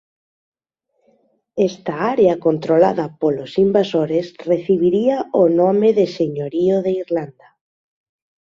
Esta área controlada polos invasores recibiría o nome de Señorío de Irlanda.